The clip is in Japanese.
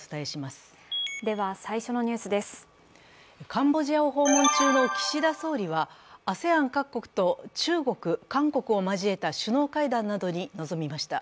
カンボジアを訪問中の岸田総理はＡＳＥＡＮ各国と中国・韓国を交えた首脳会談などに臨みました。